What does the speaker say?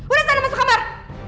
udah sana masuk kamar